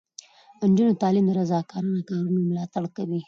د نجونو تعلیم د رضاکارانه کارونو ملاتړ کوي.